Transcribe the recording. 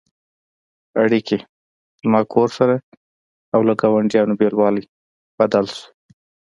اړیکې «زما کور» سره او له ګاونډیانو بېلوالی بدل شو.